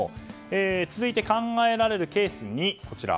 続いて考えられるケース２。